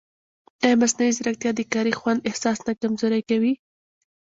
ایا مصنوعي ځیرکتیا د کاري خوند احساس نه کمزورې کوي؟